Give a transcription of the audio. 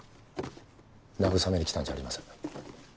慰めにきたんじゃありません。